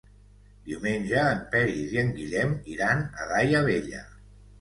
Diumenge en Peris i en Guillem iran a Daia Vella.